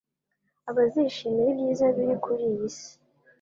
Abazishimira ibyiza biri kuri iyi si